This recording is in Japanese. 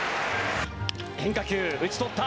変化球、打ち取った。